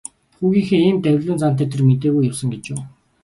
Хүүгийнхээ ийм давилуун зантайг тэр мэдээгүй явсан гэж үү.